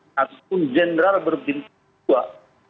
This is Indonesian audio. namun jenderal berbintang